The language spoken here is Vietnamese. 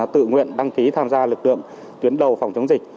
tự nguyện đăng ký tham gia lực lượng tuyến đầu phòng chống dịch